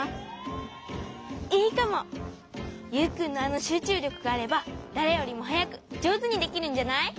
ユウくんのあのしゅうちゅうりょくがあればだれよりもはやくじょうずにできるんじゃない？